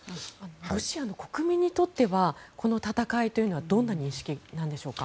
ロシアの国民にとってはこの戦いというのはどんな認識なんでしょうか。